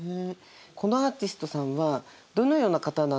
このアーティストさんはどのような方なんですかね？